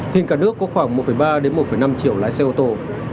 hình cả nước có khoảng một ba đến một năm triệu lái xe ô tô